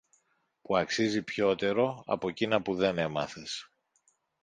που αξίζει πιότερο από κείνα που δεν έμαθες.